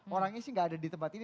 orangnya sih nggak ada di tempat ini